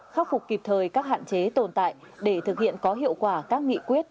khắc phục kịp thời các hạn chế tồn tại để thực hiện có hiệu quả các nghị quyết